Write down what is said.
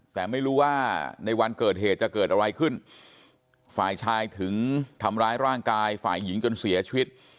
แต่ไม่รู้ว่าในวันเกิดเหตุจะเกิดอะไรขึ้นฝ่ายชายถึงทำร้ายร่างกายฝ่ายหญิงจนเสียชีวิต